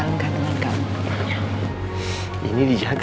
makasih ya bapak